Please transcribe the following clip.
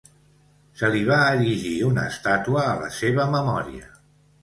Se li va erigir una estàtua a la seva memòria.